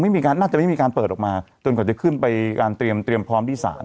น่าจะไม่มีการเปิดออกมาจนกว่าจะขึ้นไปการเตรียมพร้อมที่ศาล